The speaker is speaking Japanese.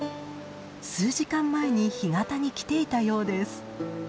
数時間前に干潟に来ていたようです。